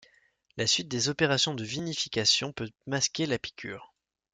La suite des opérations de vinification peut masquer la piqûre.